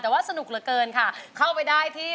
แต่ว่าสนุกเหลือเกินค่ะเข้าไปได้ที่